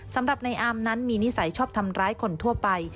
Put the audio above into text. สำหรับในอามนั้นมีนิสัยชอบทำร้ายคนทั่วไป